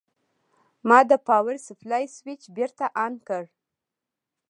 ما د پاور سپلای سویچ بېرته آن کړ.